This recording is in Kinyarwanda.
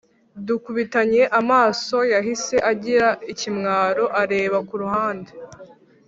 Dukubitanye amaso yahise agira ikimwaro areba kuruhande